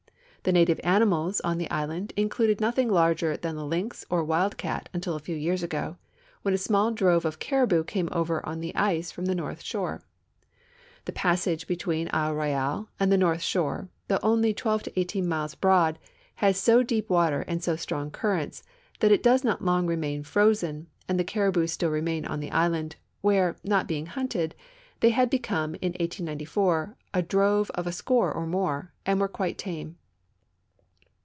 The native animals on the island included nothing larger than the lynx or wild cat until a few years ago, when a small drove of caribou came over on the ice from the north siiore. The passage between Isle Royal and the north shore, though only 12 to 18 miles broad, has so deep water and so strong currents that it does not long remain fro/en, and the caribou still remain on the island, where, not being hunted, they 8 114 AREA AND DRAINAGE BASIN OF LAKE SUPERIOR had become in 1894 a drove of a score or nio.re and were quite taine.